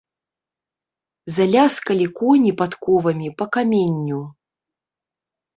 Заляскалі коні падковамі па каменню.